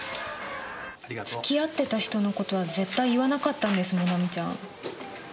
付き合ってた人の事は絶対言わなかったんですもなみちゃん。